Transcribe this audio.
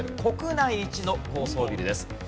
国内一の高層ビルです。